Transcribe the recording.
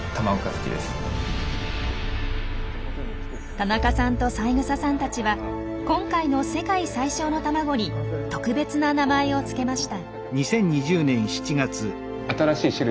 田中さんと三枝さんたちは今回の世界最小の卵に特別な名前をつけました。